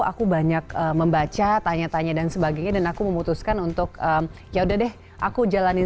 jadi aku banyak membaca tanya tanya dan sebagainya dan aku memutuskan untuk ya udah deh aku jalanin